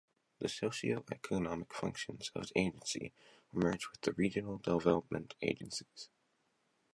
The socio-economic functions of the Agency were merged with the Regional Development Agencies.